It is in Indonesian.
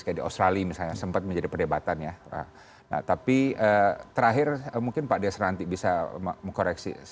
kayak di australia misalnya sempat menjadi perdebatan ya nah tapi terakhir mungkin pak desranti bisa mengkoreksi